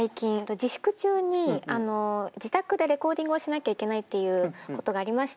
自粛中に自宅でレコーディングをしなきゃいけないっていうことがありまして